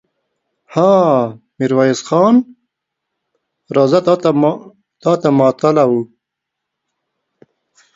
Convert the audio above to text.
ها! ميرويس خان! راځه، تاته ماتله وو.